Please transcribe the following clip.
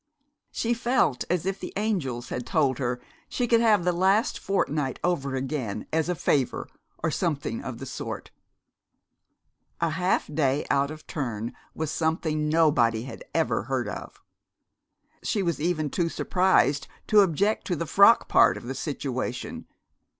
She felt as if the angels had told her she could have the last fortnight over again, as a favor, or something of the sort. A half day out of turn was something nobody had ever heard of. She was even too surprised to object to the frock part of the situation.